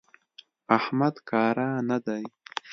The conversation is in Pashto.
احمد کاره نه دی.